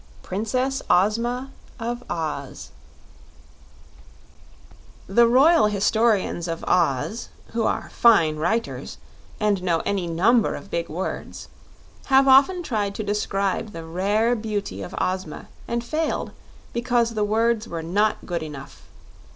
20. Princess Ozma Of Oz The royal historians of Oz, who are fine writers and know any number of big words, have often tried to describe the rare beauty of Ozma and failed because the words were not good enough.